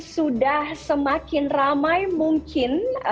sudah semakin ramai mungkin